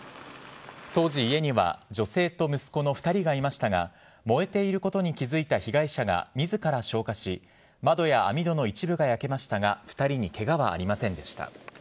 当時、家には女性と息子の２人がいましたが、燃えていることに気付いた被害者がみずから消火し、窓や網戸の一部が焼けましたが、２人にけがはありませんでした。